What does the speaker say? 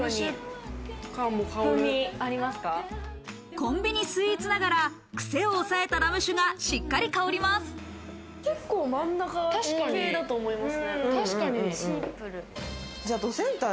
コンビニスイーツながら、クセを抑えたラム酒がしっかり香ります。